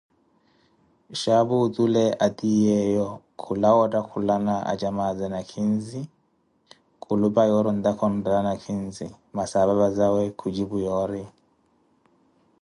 Xaapu otule atiiyevu khulawa ottakhulana acamaaze nakhinzi, khulupa yoori ontakha onrala nakhinzi, masi apapazawe khucipu yoori.